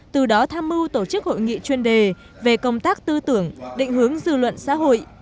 từ đó tham mưu tổ chức hội nghị chuyên đề về công tác tư tưởng định hướng dư luận xã hội